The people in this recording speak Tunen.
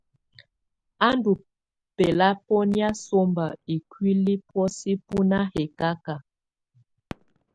Á ndù bɛlabɔnɛ̀á sɔmba ikuili bɔ̀ósɛ bɔ nà hɛkaka.